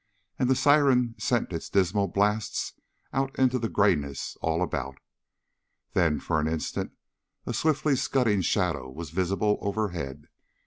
And the siren sent its dismal blasts out into the grayness all about. Then, for an instant, a swiftly scudding shadow was visible overhead.